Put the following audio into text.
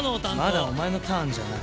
まだお前のターンじゃない。